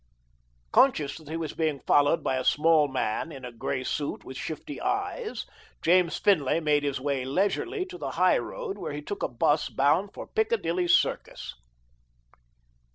Conscious that he was being followed by a small man in a grey suit with shifty eyes, James Finlay made his way leisurely to the High Road where he took a 'bus bound for Piccadilly Circus.